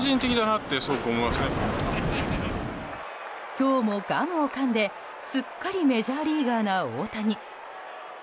今日もガムをかんで、すっかりメジャーリーガーな大谷。